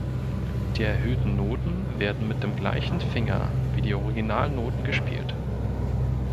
Die erhöhten Noten werden mit dem gleichen Finger wie die Originalnoten gespielt.